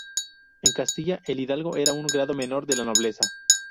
En Castilla, el hidalgo era un grado menor de la nobleza.